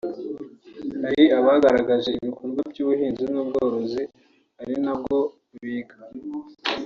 Hari abagaragaje ibikorwa by’ubuhinzi n’ubworozi ari nabwo biga